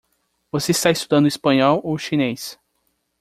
Você está estudando espanhol ou chinês?